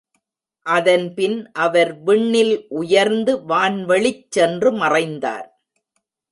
அதன்பின் அவர் விண்ணில் உயர்ந்து வான்வழிச் சென்று மறைந்தார்.